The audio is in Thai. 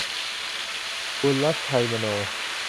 บุญรัตน์ ไชยมโน